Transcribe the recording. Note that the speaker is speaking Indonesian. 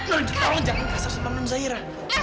tolong jangan kasar sama men zahira